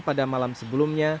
pada malam sebelumnya